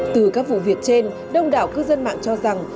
từ các vụ việc trên đông đảo cư dân mạng cho rằng